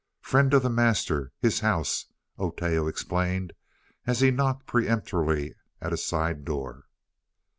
"Friend of the Master his house!" Oteo explained as he knocked peremptorily at a side door.